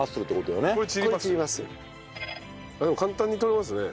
でも簡単に取れますね。